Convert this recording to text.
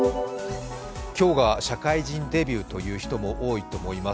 今日が社会人デビューという人も多いと思います。